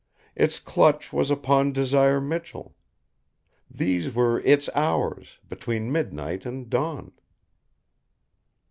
Its clutch was upon Desire Michell. These were Its hours, between midnight and dawn.